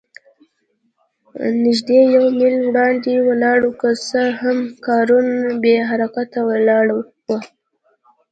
نږدې یو میل وړاندې ولاړم، که څه هم کاروان بې حرکته ولاړ و.